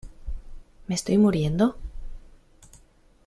¿ me estoy muriendo?